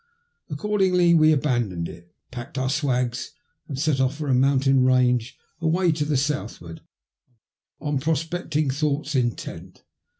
Accordingly we abandoned it, packed our swags, and set off for a mountain range away to the southward, on prospect ing thoughts intent.